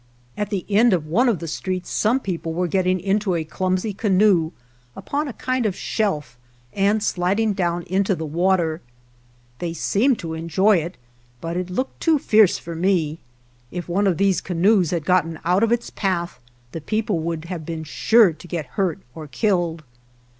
At the end of one of the streets some people were getting into a clumsy canoe, upon a kind of shelf, and sliding down into the water. 3 They seemed to enjoy it, but it looked too fierce for me. If one of these canoes had gone out of its path the peo ple would have been sure to get hurt or killed.